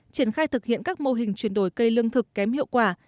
triển khai thực hiện các mô hình chuyển đổi cây lương thực kém hiệu quả